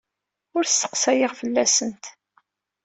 Ur sseqsayeɣ fell-asent.